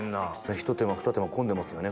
ひと手間ふた手間込んでますね